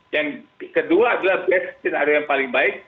yang kedua adalah best senario yang paling baik